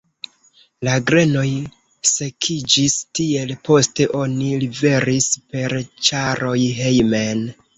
La grenoj sekiĝis tiel, poste oni liveris per ĉaroj hejmen.